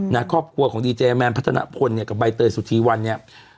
นะครอบครัวของดีเจแมนพัฒนาพลเนี่ยกับใบเตยสุธีวันเนี่ย